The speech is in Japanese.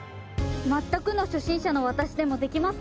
全くの初心者の私でもできますか？